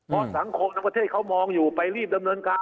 เพราะสังคมทั้งประเทศเขามองอยู่ไปรีบดำเนินการ